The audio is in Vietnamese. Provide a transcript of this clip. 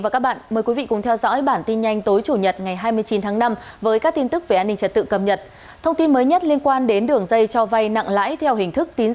cảm ơn các bạn đã theo dõi